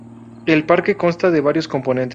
El parque consta de varios componentes.